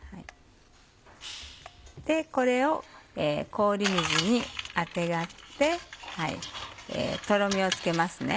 これを氷水にあてがってとろみをつけます。